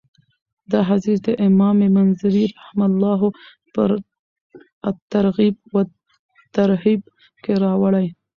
دا حديث امام منذري رحمه الله په الترغيب والترهيب کي راوړی .